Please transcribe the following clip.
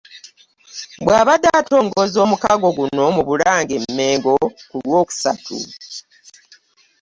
Bw'abadde atongoza omukago guno mu Bulange -Mmengo ku Lwokusatu